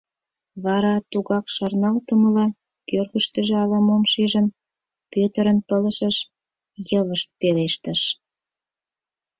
Вара, тугак шарналтымыла, кӧргыштыжӧ ала-мом шижын, Пӧтырын пылышыш йывышт пелештыш: